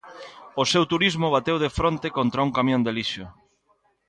O seu turismo bateu de fronte contra un camión de lixo.